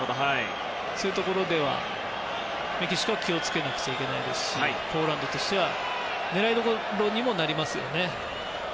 そういうところではメキシコは気をつけなくちゃいけないしポーランドとしては狙いどころにもなりますよね。